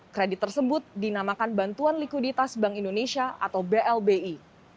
kredit tersebut dinamakan bantuan likuiditas bank indonesia atau blbi